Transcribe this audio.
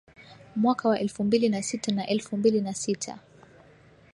Mwaka wa elfu mbili na sita na elfu mbili na sita